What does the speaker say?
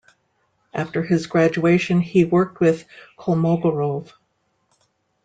After his graduation he worked with Kolmogorov.